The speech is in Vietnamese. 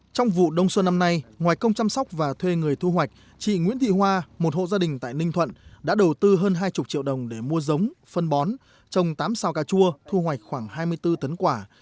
trong vụ đông xuân năm nay ngoài công chăm sóc và thuê người thu hoạch chị nguyễn thị hoa một hộ gia đình tại ninh thuận đã đầu tư hơn hai mươi triệu đồng để mua giống phân bón trồng tám sao cà chua thu hoạch khoảng hai mươi bốn tấn quả